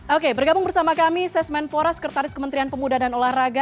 oke bergabung bersama kami sesmenpora sekretaris kementerian pemuda dan olahraga